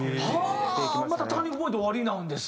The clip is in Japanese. またターニングポイントおありなんですね。